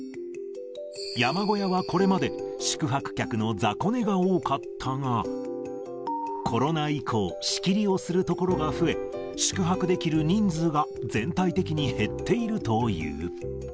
山小屋はこれまで、宿泊客の雑魚寝が多かったが、コロナ以降、仕切りをする所が増え、宿泊できる人数が、全体的に減っているという。